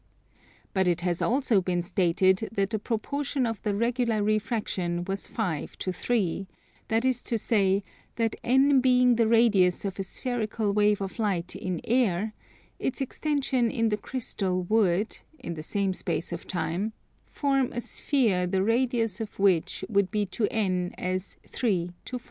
But it has also been stated that the proportion of the regular refraction was 5 to 3; that is to say, that N being the radius of a spherical wave of light in air, its extension in the crystal would, in the same space of time, form a sphere the radius of which would be to N as 3 to 5.